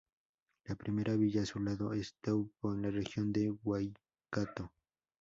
La primera villa a su lado es Taupo en la región de Waikato.